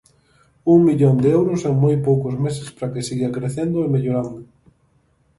Un millón de euros en moi poucos meses para que siga crecendo e mellorando.